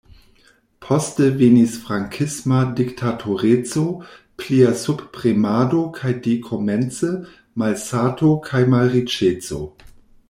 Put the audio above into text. Poste venis frankisma diktatoreco, plia subpremado kaj dekomence malsato kaj malriĉeco.